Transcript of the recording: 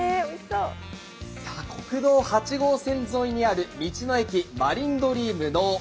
国道８号線沿いにある道の駅、マリンドリーム能生。